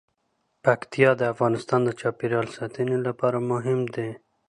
پکتیا د افغانستان د چاپیریال ساتنې لپاره مهم دي.